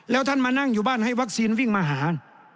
แล้วท่านมานั่งอยู่บ้านให้วัคซีนวิ่งมาหา